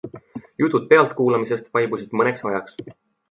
Jutud pealtkuulamisest vaibusid mõneks ajaks.